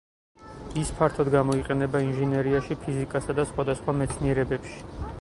ის ფართოდ გამოიყენება ინჟინერიაში, ფიზიკასა და სხვადასხვა მეცნიერებებში.